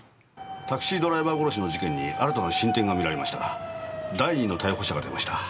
タクシードライバー殺しの事件に新たな進展がみられましたが第二の逮捕者が出ました。